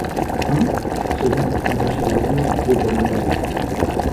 Hein? ce vent a dû t’empêcher de dormir, pauvre mignonne!